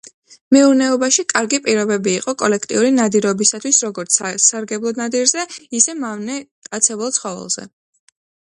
მეურნეობაში კარგი პირობები იყო კოლექტიური ნადირობისათვის როგორც სასარგებლო ნადირზე, ისე მავნე მტაცებელ ცხოველებზე.